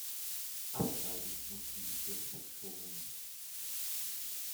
Absteigen mussten die Bristol Shoguns.